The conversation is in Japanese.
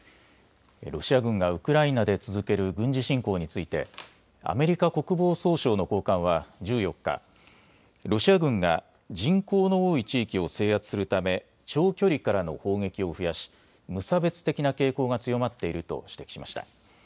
ロシア軍がウクライナで続ける軍事侵攻についてアメリカ国防総省の高官は１４日、ロシア軍が人口の多い地域を制圧するため長距離からの砲撃を増やし無差別的な傾向が強まっていると指摘しました。